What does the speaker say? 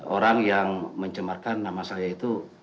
orang yang mencemarkan nama saya itu